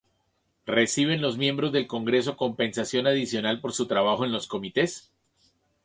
¿Reciben los miembros del Congreso compensación adicional por su trabajo en los comités?